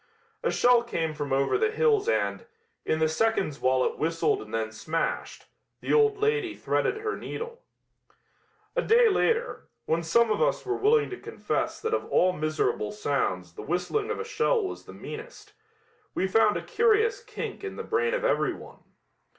A shell came from over the hills and, in the seconds while it whistled and then smashed, the old lady threaded her needle. A day later, when some of us were willing to confess that of all miserable sounds the whistling of a shell was the meanest, we found a curious kink in the brain of everyone.